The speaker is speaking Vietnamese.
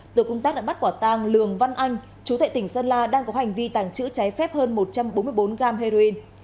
tổ công tác đã bắt quả tàng lường văn anh chú thệ tỉnh sơn la đang có hành vi tàng trữ trái phép hơn một trăm bốn mươi bốn gram heroin